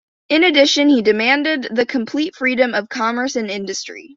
In addition he demanded the complete freedom of commerce and industry.